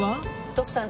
徳さん